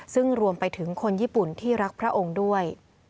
ซึ่งรวมไปถึงคนญี่ปุ่นที่รักพระองค์ด้วย